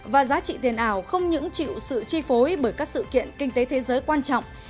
và giá trị tiền ảo không những chịu sự chi phối bởi các sự kiện kinh tế thế giới quan trọng